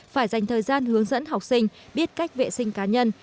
phải dành thời gian hướng dẫn học sinh biết cách vệ sinh cá nhân